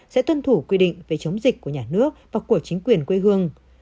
sẽ tuân thủ quy định về chống dịch của nhà nước và của chính quyền quê hương